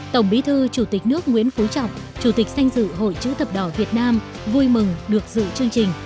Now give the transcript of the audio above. tổng bí thư chủ tịch nước nguyễn phú trọng chủ tịch sanh dự hội chữ thập đỏ việt nam vui mừng được dự chương trình